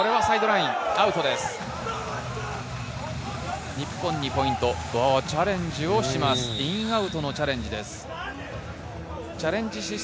インアウトのチャレンジです。